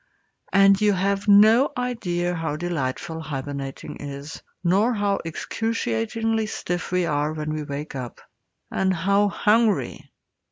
And you have no idea how delightful hibernating is, nor how excruciatingly stiff we are when we wake up, and how hungry!